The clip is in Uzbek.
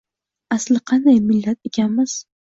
Asli qanday millat ekanmiz.